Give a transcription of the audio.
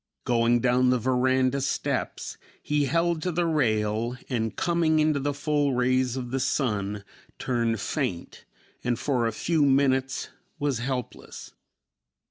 Going down the veranda steps he held to the rail and coming into the full rays of the sun turned faint and for a few minutes was helpless.